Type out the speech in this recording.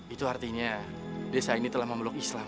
itu artinya desa ini telah memeluk islam